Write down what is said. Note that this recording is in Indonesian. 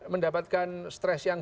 mendapatkan stres yang